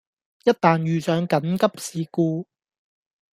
一旦遇上緊急事故